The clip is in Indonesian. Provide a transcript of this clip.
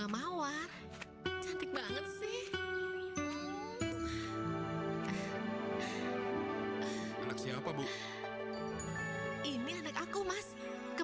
mawar kapan sekolah bu